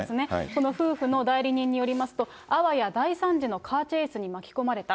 この夫婦の代理人によりますと、あわや大惨事のカーチェイスに巻き込まれた。